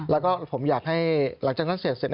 แล้วก็ผมอยากให้หลังจากนั้นเสร็จ